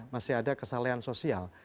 masih ada kesalahan sosial